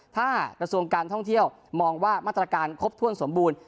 ถ้ากระทรวงการท่องเที่ยวมองว่ามาตรการครบถ้วนสมบูรณ์